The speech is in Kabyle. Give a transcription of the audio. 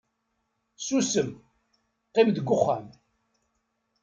susem, qqim deg uxxam